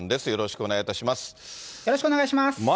よろしくお願いします。